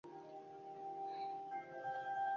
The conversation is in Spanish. Ella y Azalea montan motocicletas al club de Madsen.